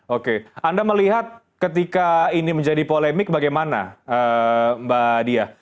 oke anda melihat ketika ini menjadi polemik bagaimana mbak diah